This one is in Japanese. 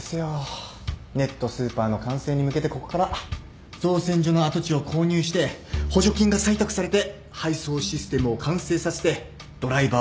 ネットスーパーの完成に向けてここから造船所の跡地を購入して補助金が採択されて配送システムを完成させてドライバーを確保して。